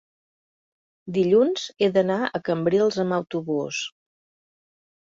dilluns he d'anar a Cambrils amb autobús.